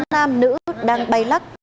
tám nam nữ đang bay lắc